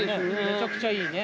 めちゃくちゃいいね。